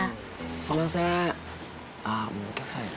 すいません。